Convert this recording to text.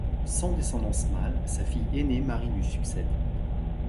Sans descendant mâle, sa fille aînée Marie lui succède.